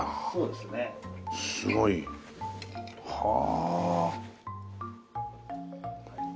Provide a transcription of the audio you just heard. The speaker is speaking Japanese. すごい。はあ。